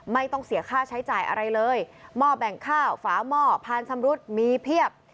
ไม่ต้องเสียค่าใช้จ่ายอะไรเลยหม้อแบ่งข้าวฝาหม้อพานชำรุดมีเพียบ